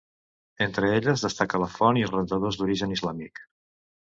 Entre elles, destaca la font i els rentadors d'origen islàmic.